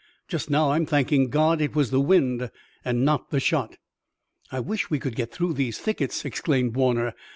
Just now I'm thanking God it was the wind and not the shot." "I wish we could get through these thickets!" exclaimed Warner.